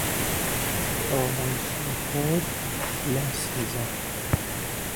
با منشی خود لاس میزد.